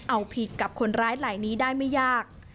เอาผิดกับคนร้ายลายนี้ได้ไม่ยาก